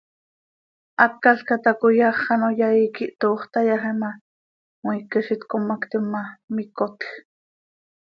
Hácalca tacoi hax ano yaii quih toox tayaxi ma, cmiique z itcommactim ma, micotj.